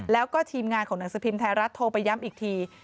แล้วก็ทีมงานของหนังสือพิมพ์ไทยรัฐโทรไปย้ำอีกที